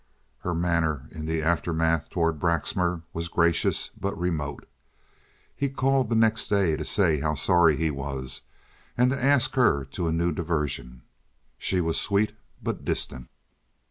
Her manner in the aftermath toward Braxmar was gracious, but remote. He called the next day to say how sorry he was, and to ask her to a new diversion. She was sweet, but distant.